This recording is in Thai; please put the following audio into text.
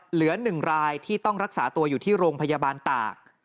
เหลือ๑รายที่ต้องรักษาตัวอยู่ที่โรงพยาบาลตาก